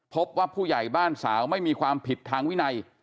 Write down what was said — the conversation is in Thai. พบว่าผู้ใหญ่บ้านสาวไม่มีความผิดทางวินัย